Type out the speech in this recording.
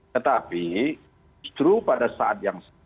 tetapi justru pada saat yang